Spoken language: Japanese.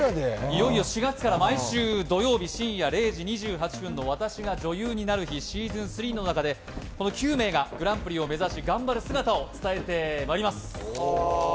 いよいよ４月から毎週土曜日深夜０時２８分の「『私が女優になる日＿』ｓｅａｓｏｎ３」の中で、この９名がグランプリを目指し頑張る姿を伝えてまいります。